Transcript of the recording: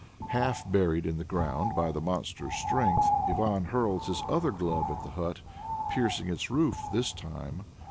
Half buried in the ground by the monster's strength, Ivan hurls his other glove at the hut, piercing its roof this time.